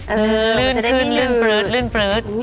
ลื่นขึ้นลื่นปลื๊ด